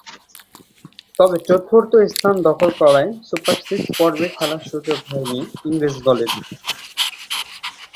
তবে চতুর্থ স্থান দখল করায় সুপার সিক্স পর্বে খেলার সুযোগ হয়নি ইংরেজ দলের।